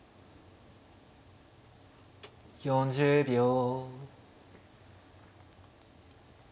４０秒。